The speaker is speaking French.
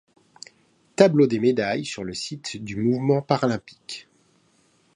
Tableau des médailles sur le site du Mouvement Paralympique.